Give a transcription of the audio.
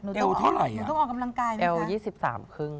อีวเท่าไหร่